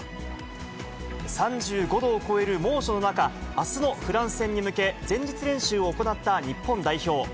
３５度を超える猛暑の中、あすのフランス戦に向け、前日練習を行った日本代表。